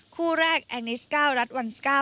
คู่แรกแอนิส๙รัฐวันสก้า